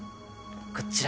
こっちら。